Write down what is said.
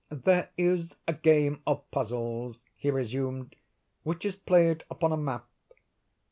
"There is a game of puzzles," he resumed, "which is played upon a map.